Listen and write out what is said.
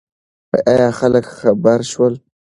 ایا خلک خبر شول؟